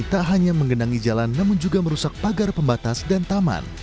tak hanya menggenangi jalan namun juga merusak pagar pembatas dan taman